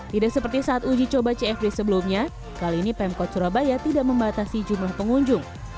tidak seperti saat uji coba cfd sebelumnya kali ini pemkot surabaya tidak membatasi jumlah pengunjung